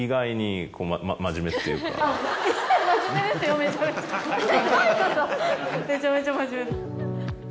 めちゃめちゃ真面目。